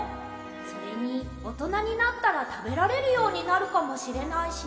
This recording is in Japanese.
それにおとなになったらたべられるようになるかもしれないしね。